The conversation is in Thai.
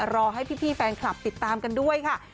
รอให้พี่แฟนคลับติดตามกันด้วยค่ะ